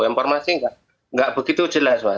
informasi nggak begitu jelas pak